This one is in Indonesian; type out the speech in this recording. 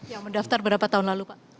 yang mendaftar berapa tahun lalu pak